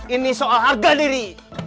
ini soal harga diri